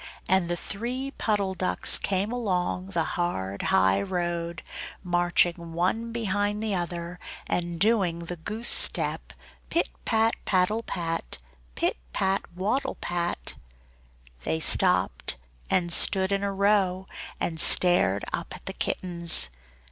and the three Puddle Ducks came along the hard high road, marching one behind the other and doing the goose step pit pat paddle pat! pit pat waddle pat! They stopped and stood in a row, and stared up at the kittens.